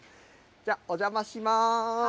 じゃあ、お邪魔します。